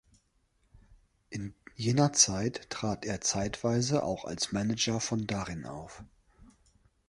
In jener Zeit trat er zeitweise auch als Manager von Darin auf.